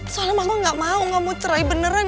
soalnya mama nggak mau nggak mau cerai beneran